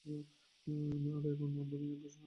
আর এখন এই অন্ধ মেয়ের পিছনে কেনো পরলি?